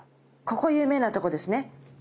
ここ有名なとこですね。